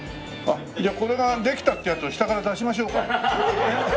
じゃあこれができたってやつを下から出しましょうか。